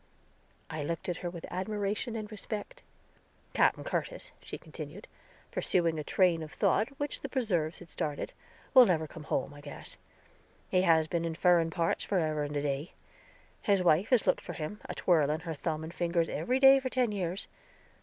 I looked at her with admiration and respect. "Capen Curtis," she continued, pursuing a train of thought which the preserves had started, "will never come home, I guess. He has been in furen parts forever and a day; his wife has looked for him, a twirling her thumb and fingers, every day for ten years.